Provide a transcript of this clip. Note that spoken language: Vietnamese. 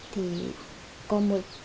thì có một